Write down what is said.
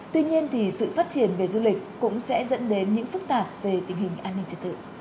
tuy nhiên thì sự phát triển về du lịch cũng sẽ dẫn đến những phức tạp về tình hình an ninh trật tự